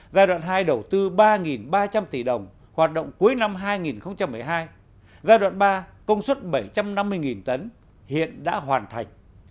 giai đoạn hai đầu tư ba ba trăm linh tỷ đồng hoạt động cuối năm hai nghìn một mươi hai giai đoạn ba công suất bảy trăm năm mươi tấn hiện đã hoàn thành